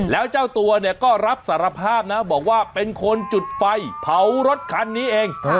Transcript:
แล้วเจ้าตัวเนี่ยก็รับสารภาพนะบอกว่าเป็นคนจุดไฟเผารถคันนี้เอง